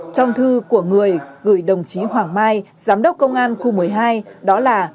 trong thư của người gửi đồng chí hoàng mai giám đốc công an khu một mươi hai đó là